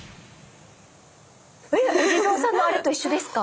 お地蔵さんのあれと一緒ですか？